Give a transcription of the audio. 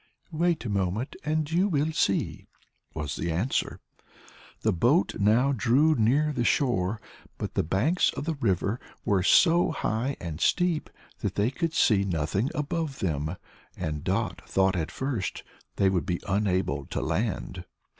"Wait a moment and you will see," was the answer. The boat now drew near the shore, but the banks of the river were so high and steep that they could see nothing above them, and Dot thought at first they would be unable to land.